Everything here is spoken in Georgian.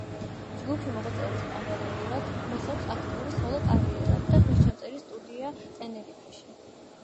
ჯგუფში მოღვაწეობის პარალელურად მას აქვს აქტიური სოლო კარიერა და ხმისჩამწერი სტუდია ტენერიფეში.